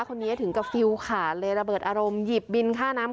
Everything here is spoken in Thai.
คนนี้ถึงกับฟิลขาดเลยระเบิดอารมณ์หยิบบินค่าน้ำ